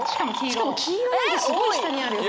しかも黄色なんてすごい下にあるよ